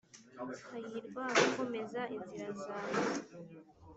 hahirwa abakomeza inzira zanjye .